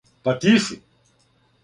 Па ти си.